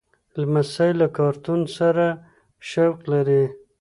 لمسی له کارتون سره شوق لري.